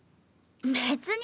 別に。